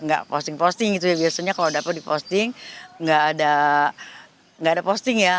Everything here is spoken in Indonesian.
nggak posting posting gitu ya biasanya kalau dapat diposting nggak ada posting ya